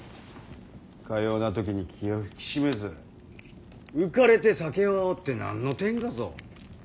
かような時に気を引き締めず浮かれて酒をあおって何の天下ぞ。